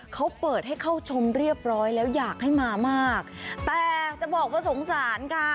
เขาเปิดให้เข้าชมเรียบร้อยแล้วอยากให้มามากแต่จะบอกว่าสงสารค่ะ